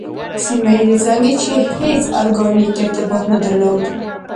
سیمه ییزې څانګې یې هېڅ ارګانیک ارتباط نه درلود.